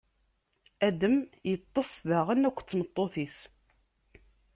Adam iṭṭeṣ daɣen akked tmeṭṭut-is.